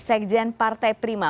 saya kejen partai prima